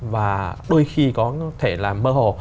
và đôi khi có thể là mơ hồ